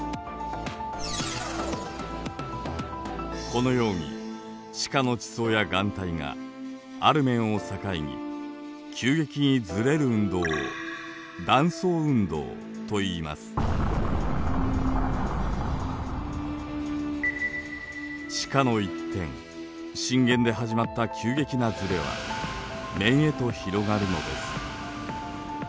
このように地下の地層や岩体がある面を境に急激にずれる運動を地下の一点震源で始まった急激なずれは面へと広がるのです。